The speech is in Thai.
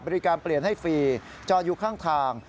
บริการเปลี่ยนให้ฟรีจอดอยู่ข้างทาง